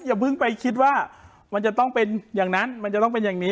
อย่าเพิ่งไปคิดว่ามันจะต้องเป็นอย่างนั้นมันจะต้องเป็นอย่างนี้